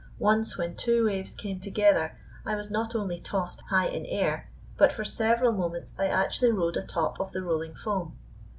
Once when two waves came together I was not only tossed high in air, but for several moments I actually rode atop of the rolling foam.